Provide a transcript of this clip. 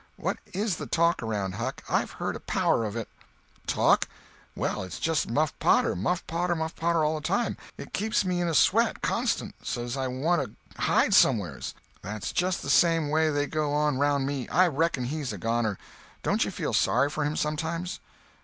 "What is the talk around, Huck? I've heard a power of it." "Talk? Well, it's just Muff Potter, Muff Potter, Muff Potter all the time. It keeps me in a sweat, constant, so's I want to hide som'ers." "That's just the same way they go on round me. I reckon he's a goner. Don't you feel sorry for him, sometimes?"